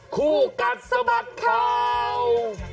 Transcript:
คู่กัดสะบัดข่าว